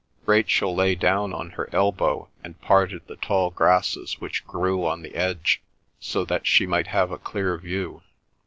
Rachel lay down on her elbow, and parted the tall grasses which grew on the edge, so that she might have a clear view.